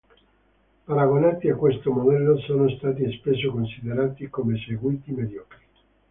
Paragonati a questo modello, sono stati spesso considerati come seguiti mediocri.